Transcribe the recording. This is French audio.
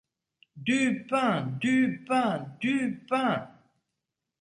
Du pain ! du pain ! du pain !